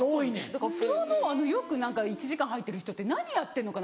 だから風呂の１時間入ってる人って何やってるのかなって。